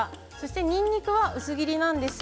にんにくは薄切りです。